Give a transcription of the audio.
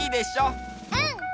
うん！